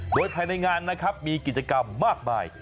โดยภายในงานนะครับมีกิจกรรมมากมาย